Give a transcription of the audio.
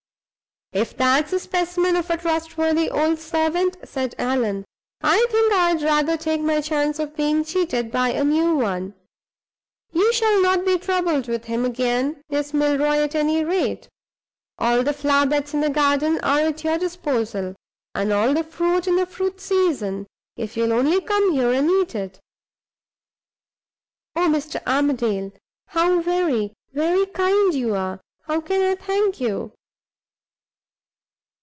"If that's a specimen of a trustworthy old servant," said Allan, "I think I'd rather take my chance of being cheated by a new one. You shall not be troubled with him again, Miss Milroy, at any rate. All the flower beds in the garden are at your disposal, and all the fruit in the fruit season, if you'll only come here and eat it." "Oh, Mr. Armadale, how very, very kind you are. How can I thank you?"